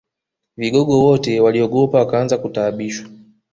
Vigogo wote waliogopa wakaanza kutaabishwa